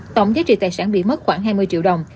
tổng giá trị tài sản bị mất khoảng hai mươi triệu đồng